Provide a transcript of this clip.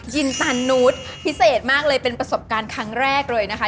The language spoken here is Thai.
ินตันนูสพิเศษมากเลยเป็นประสบการณ์ครั้งแรกเลยนะคะ